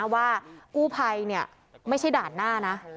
ว่ากู้ภัยไม่ใช่ด่านหน้านะ